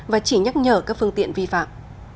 và chỉ nhắc nhở các phương tiện vi phạm